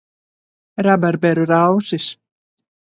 Rabarberu rausis.